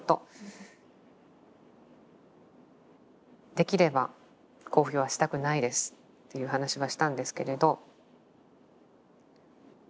「できれば公表はしたくないです」っていう話はしたんですけれど。